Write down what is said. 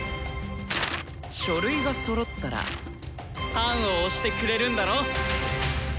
書類がそろったら判を押してくれるんだろ？